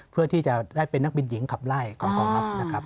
เพื่อที่จะได้เป็นนักบินหญิงขับไล่ของกองทัพนะครับ